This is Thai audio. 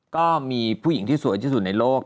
ก็มีผู้หญิงที่สวยที่สุดในโลก